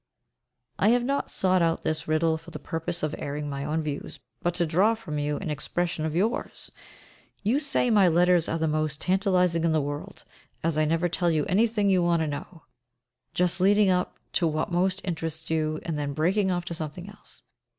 I have not sought out this riddle for the purpose of airing my own views, but to draw from you an expression of yours. You say my letters are the most tantalising in the world, as I never tell you anything you want to know; just leading up to what most interests you, and then breaking off to something else.